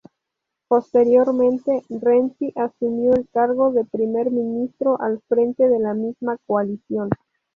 Posteriormente, Renzi asumió el cargo de Primer Ministro al frente de la misma coalición.